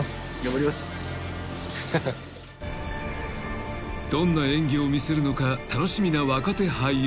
［どんな演技を見せるのか楽しみな若手俳優陣］